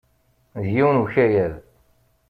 D yiwen ukayad.